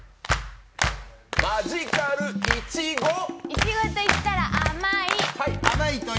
いちごと言ったら甘い。